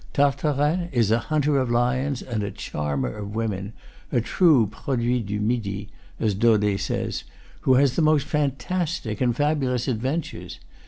Tartarin is a hunter of lions and charmer of women, a true "produit du midi," as Daudet says, who has the most fantastic and fabulous adventures.